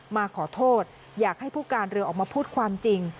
มาขอโทษอยากให้ผู้การเรือออกมาพูดความจริง